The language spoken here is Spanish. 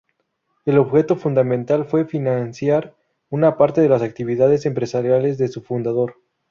El objetivo fundamental fue financiar una parte de las actividades empresariales de su fundador.